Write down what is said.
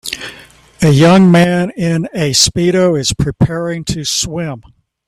A young man in a Speedo is preparing to swim